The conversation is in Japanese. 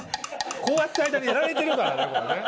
こうやってる間にやられてるからねこれね。